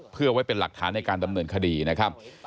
เพื่อไว้เป็นหลักฐานในการดำเนินคดีนะครับ